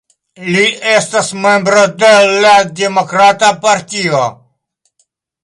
Li estas membro de la Demokrata Partio.